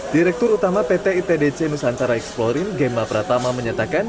direktur utama pt itdc nusantara exploring gemba pratama menyatakan